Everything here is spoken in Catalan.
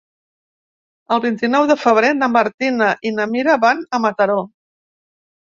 El vint-i-nou de febrer na Martina i na Mira van a Mataró.